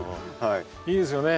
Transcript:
いいですよね